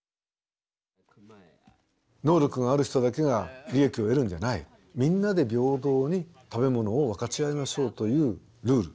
能力がある人だけが利益を得るんじゃないみんなで平等に食べ物を分かち合いましょうというルール。